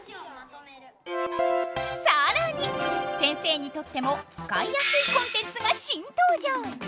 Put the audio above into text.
更に先生にとっても使いやすいコンテンツが新登場！